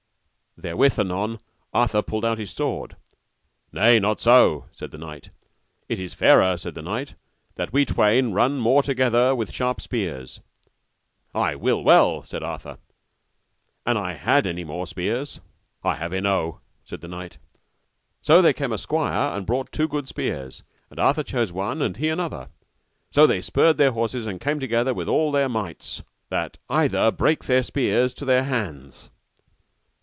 Therewith anon Arthur pulled out his sword. Nay, not so, said the knight; it is fairer, said the knight, that we twain run more together with sharp spears. I will well, said Arthur, an I had any more spears. I have enow, said the knight; so there came a squire and brought two good spears, and Arthur chose one and he another; so they spurred their horses and came together with all their mights, that either brake their spears to their hands.